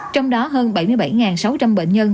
trong đó hơn bảy mươi bảy sáu trăm linh bệnh nhân